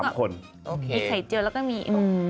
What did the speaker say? มีไขเจียวและก็มี